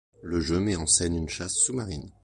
Le jeu met en scène une chasse sous-marine.